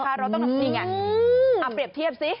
เราต้องนี่ไงเอาเปรียบเทียบสิ